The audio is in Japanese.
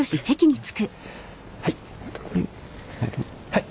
はい。